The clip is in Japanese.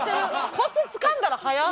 コツつかんだら早っ！